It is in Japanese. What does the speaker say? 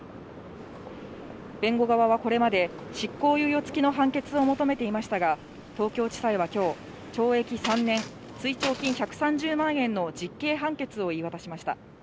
弁護側はこれまで、執行猶予付きの判決を求めていましたが、東京地裁はきょう、懲役３年、追徴金１３０万円の実刑判決を言い渡しました。